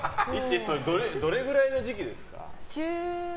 どれくらいの時期ですか？